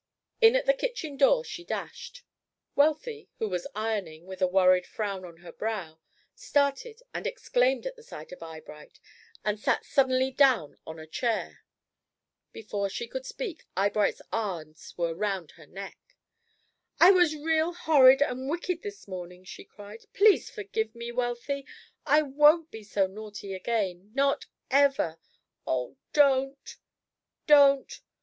In at the kitchen door she dashed. Wealthy, who was ironing, with a worried frown on her brow, started and exclaimed at the sight of Eyebright, and sat suddenly down on a chair. Before she could speak, Eyebright's arms were round her neck. "I was real horrid and wicked this morning," she cried. "Please forgive me, Wealthy. I won't be so naughty again not ever. Oh, don't, don't!"